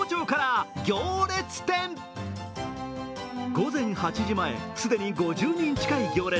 午前８時前、既に５０人近い行列。